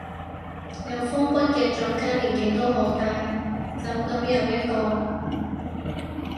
有風骨嘅作家年紀都好大，走噉又一個